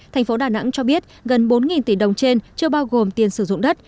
tp đà nẵng cho biết gần bốn tỷ đồng trên chưa bao gồm tiền sử dụng đất